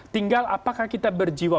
tinggal apakah kita berjiwa